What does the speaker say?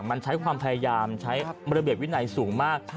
มันใช้ความพยายามใช้ระเบียบวินัยสูงมาก